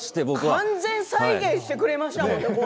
完全再現してくれましたものね。